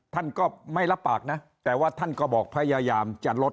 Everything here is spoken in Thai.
ท่านก็ไม่รับปากนะแต่ว่าท่านก็บอกพยายามจะลด